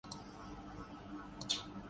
یہ استدلال کسی ایک ملک کا نہیں، سب ممالک کا ہے۔